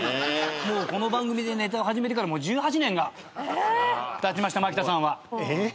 この番組でネタを始めてからもう１８年がたちました牧田さんは。